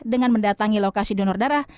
dengan mendatangi lokasi donor darah